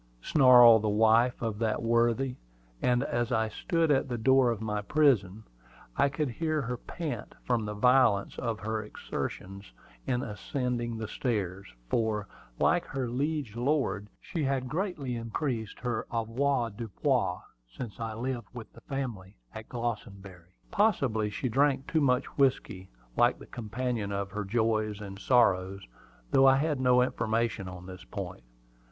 snarled the wife of that worthy; and as I stood at the door of my prison, I could hear her pant from the violence of her exertions in ascending the stairs, for, like her liege lord, she had greatly increased her avoirdupois since I lived with the family at Glossenbury. Possibly she drank too much whiskey, like the companion of her joys and sorrows, though I had no information on this point.